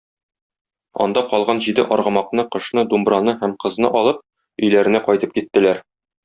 Анда калган җиде аргамакны, кошны, думбраны һәм кызны алып, өйләренә кайтып киттеләр.